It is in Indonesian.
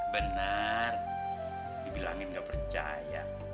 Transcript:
benar dibilangin gak percaya